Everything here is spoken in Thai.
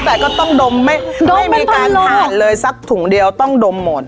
แต่ก็ต้องดมไม่ดมเป็นพันโลไม่มีการผ่านเลยสักถุงเดียวต้องดมหมด